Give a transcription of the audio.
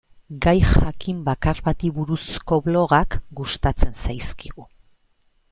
Gai jakin bakar bati buruzko blogak gustatzen zaizkigu.